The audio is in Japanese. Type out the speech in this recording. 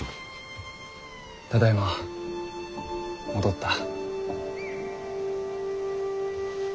ただいま戻った。